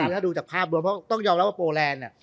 ถ้าดูจากภาพรวมต้องยอมแล้วว่าโปรแลนด์